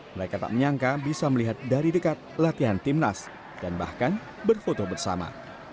mereka tak menyangka bisa melihat dari dekat latihan timnas dan bahkan berfoto bersama